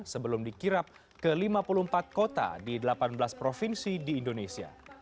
sebelum dikirap ke lima puluh empat kota di delapan belas provinsi di indonesia